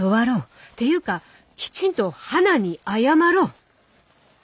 っていうかきちんと花に謝ろう。